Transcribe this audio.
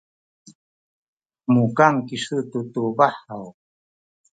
mukan kisu tu tubah haw?